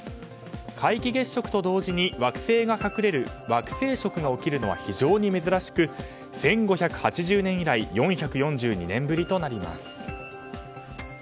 皆既月食と同時に惑星が隠れる惑星食が見られるのは非常に珍しく１５８０年以来４４２年ぶりとなります。